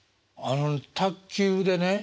あの卓球でね